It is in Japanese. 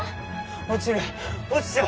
落ちる落ちちゃう！